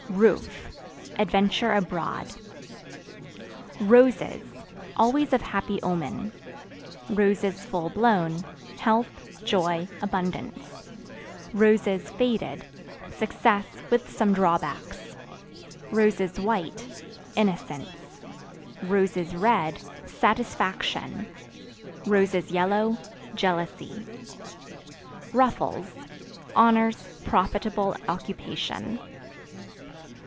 Roof Adventure abroad. Roses Always of happy omen; (full blown) health, joy, abundance; (faded) success, with some drawbacks; (white) innocence; (red) satisfaction; (yellow) jealousy. Ruffles Honors, profitable occupation.